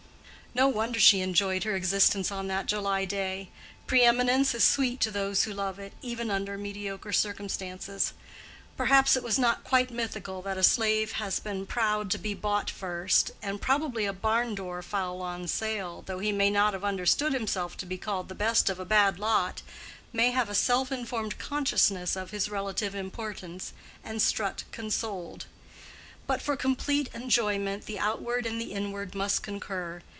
No wonder she enjoyed her existence on that July day. Pre eminence is sweet to those who love it, even under mediocre circumstances. Perhaps it was not quite mythical that a slave has been proud to be bought first; and probably a barn door fowl on sale, though he may not have understood himself to be called the best of a bad lot, may have a self informed consciousness of his relative importance, and strut consoled. But for complete enjoyment the outward and the inward must concur.